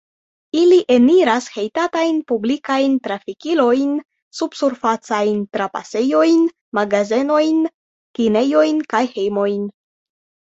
Ili eniras hejtatajn publikajn trafikilojn, subsurfacajn trapasejojn, magazenojn, kinejojn kaj hejmojn.